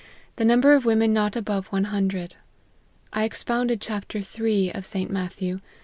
The number of women not above one hundred. I expounded chapter iii. of St. Matthew.